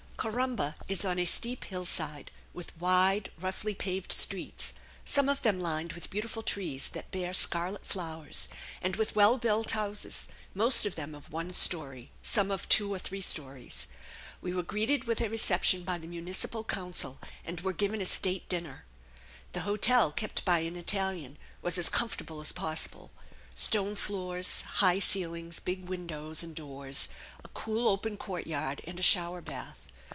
Corumba is on a steep hillside, with wide, roughly paved streets, some of them lined with beautiful trees that bear scarlet flowers, and with well built houses, most of them of one story, some of two or three stories. We were greeted with a reception by the municipal council, and were given a state dinner. The hotel, kept by an Italian, was as comfortable as possible stone floors, high ceilings, big windows and doors, a cool, open courtyard, and a shower bath.